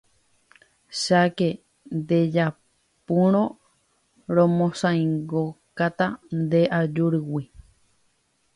cháke ndejapúrõ romosãingokáta nde ajúrigui.